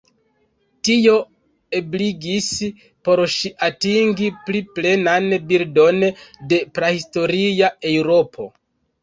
Tio ebligis por ŝi atingi pli plenan bildon de prahistoria Eŭropo.